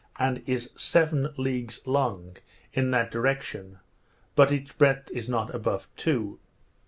and is seven leagues long in that direction; but its breadth is not above two.